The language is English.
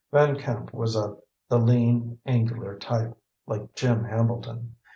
Van Camp was of the lean, angular type, like Jim Hambleton.